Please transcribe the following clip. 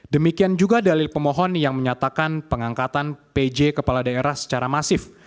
demikian juga dalil pemohon yang menyatakan pengangkatan pj kepala daerah secara masif